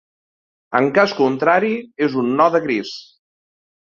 En cas contrari, és un node gris.